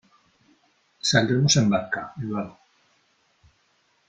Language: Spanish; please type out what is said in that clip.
Saldremos en barca, Eduardo.